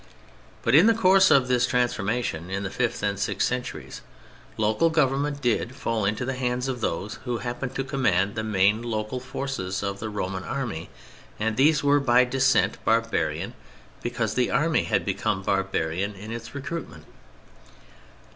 But in the course of this transformation in the fifth and sixth centuries local government did fall into the hands of those who happened to command the main local forces of the Roman Army, and these were by descent barbarian because the Army had become barbarian in its recruitment.